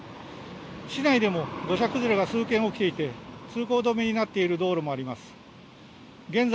市内でも土砂崩れが数件起きていて通行止めになっている道路もあります。